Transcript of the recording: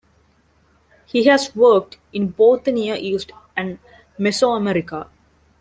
He has worked in both the Near East and Mesoamerica.